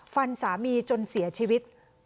ฟันสามีจนเสียชีวิต